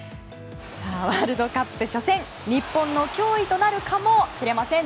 ワールドカップ初戦、日本の脅威となるかもしれません。